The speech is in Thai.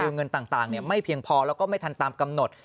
คือเงินต่างไม่เพียงพอแล้วก็ไม่ทันตามกำหนด